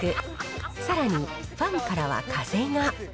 さらにファンからは風が。